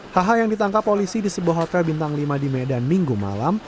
hh yang ditangkap polisi di sebuah hotel bintang lima di medan minggu malam